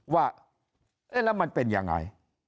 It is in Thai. ว่าแล้วมันเป็นยังไง